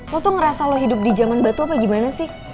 lo tuh ngerasa lo hidup di zaman batu apa gimana sih